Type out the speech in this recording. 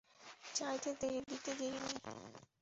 চাইতে দেরি, দিতে দেরি নেই!